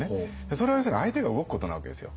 それは要するに相手が動くことなわけですよ。